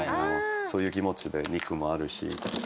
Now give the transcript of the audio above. そういう気持ちで肉もあるし。